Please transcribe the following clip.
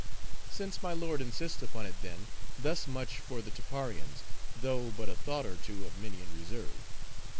"Since my lord insists upon it then, thus much for the Tapparians, though but a thought or two of many in reserve.